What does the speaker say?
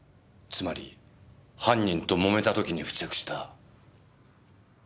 つまり犯人ともめた時に付着した。